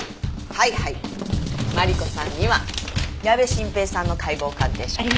はいはいマリコさんには矢部晋平さんの解剖鑑定書。